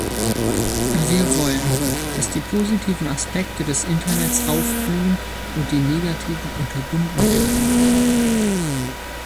Wir wollen, dass die positiven Aspekte des Internets aufblühen und die negativen unterbunden werden.